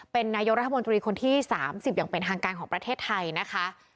เป็นนายกรัฐมนตรีคนที่๓๐อย่างเป็นทางการของประเทศไทยนะคะ